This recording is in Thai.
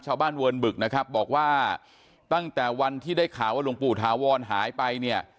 เวิร์นบึกนะครับบอกว่าตั้งแต่วันที่ได้ข่าวว่าหลวงปู่ถาวรหายไปเนี่ย